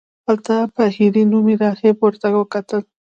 هلته بهیري نومې راهب ورته وکتل.